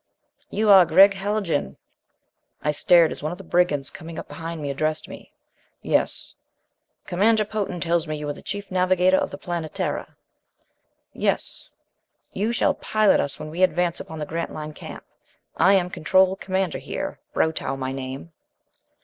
"You are Gregg Haljan?" I stared as one of the brigands, coming up behind, addressed me. "Yes." "Commander Potan tells me you were chief navigator of the Planetara?" "Yes." "You shall pilot us when we advance upon the Grantline camp. I am control commander here Brotow, my name."